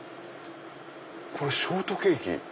これショートケーキ？